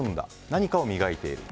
何かを磨いている。